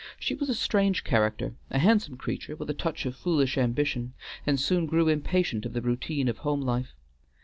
She was a strange character, a handsome creature, with a touch of foolish ambition, and soon grew impatient of the routine of home life.